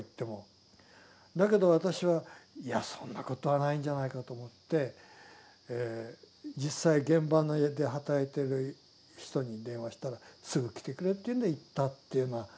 だけど私はいやそんなことはないんじゃないかと思って実際現場で働いてる人に電話したら「すぐ来てくれ」と言うんで行ったっていうような。